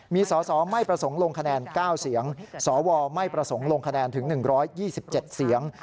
มีสอสอไม่ประสงค์ลงคะแนน๙เสียงสวไม่ประสงค์ลงคะแนนถึง๑๒๗เสียง